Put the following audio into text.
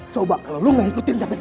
coba kalau lu gak ikut campur urusan mulai